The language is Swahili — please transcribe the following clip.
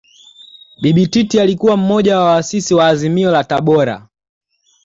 Bibi Titi alikuwa mmoja wa waasisi wa Azimio la Tabora